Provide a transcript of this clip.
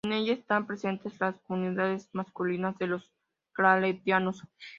En ella están presentes las comunidades masculinas de los Claretianos.